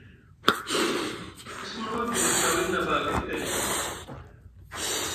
A sumna war diŋgi na wiiɗi nʼabakay kay.